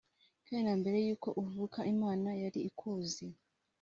kandi na mbere y’uko uvuka Imana yari ikuzi